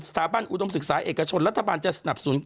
สถาบันอุดมศึกษาเอกชนรัฐบาลจะสนับสนุน